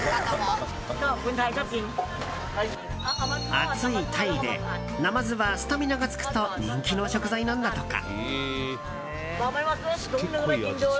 暑いタイでナマズはスタミナがつくと人気の食材なんだとか。